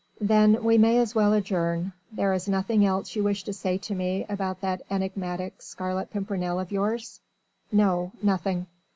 "Then we may as well adjourn. There is nothing else you wish to say to me about that enigmatic Scarlet Pimpernel of yours?" "No nothing."